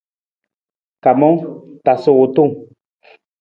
Kamang, tasa wutung.